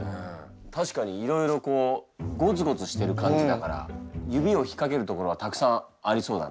確かにいろいろこうゴツゴツしてる感じだから指を引っかける所はたくさんありそうだな。